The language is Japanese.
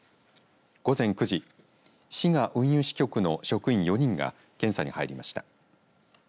午前９時、滋賀運輸支局の職員４人が検査に入りました。